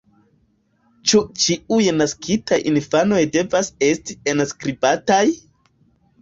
Ĉu ĉiuj naskitaj infanoj devas esti enskribataj?